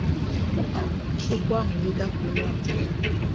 okwu ahụ wee dapụ onye ahụ n'ọnụ.